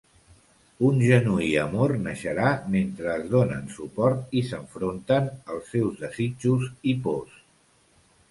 Un genuí amor naixerà mentre es donen suport i s'enfronten als seus desitjos i pors.